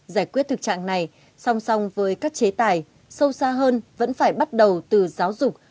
giải quyết thực trạng này song song với các chế tài sâu xa hơn vẫn phải bắt đầu từ giáo dục